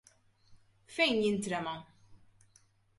Fejn jintrema?